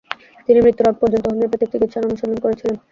তিনি মৃত্যুর আগ পর্যন্ত হোমিওপ্যাথিক চিকিৎসার অনুশীলন করেছিলেন।